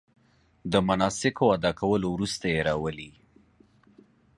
د مناسکو ادا کولو وروسته یې راولي.